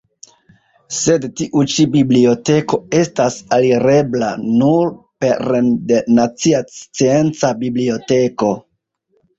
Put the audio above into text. Sed tiu ĉi biblioteko estas alirebla nur pere de nacia scienca biblioteko.